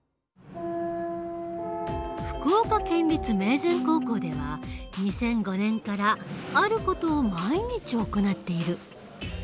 福岡県立明善高校では２００５年からある事を毎日行っている。